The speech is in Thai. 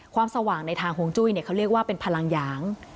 สว่างในทางฮวงจุ้ยเขาเรียกว่าเป็นพลังหยาง